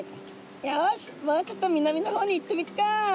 よしもうちょっと南の方に行ってみっか！」。